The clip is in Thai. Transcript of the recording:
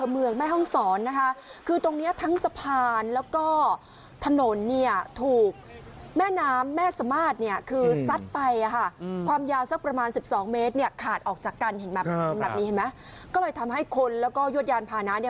เห็นมั้ยแบบนี้เห็นมั้ยก็เลยทำให้คนแล้วก็ยวดยานพานะเนี้ย